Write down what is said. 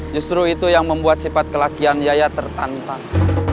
justru itu yang membuat sifat kelakian yaya tertantang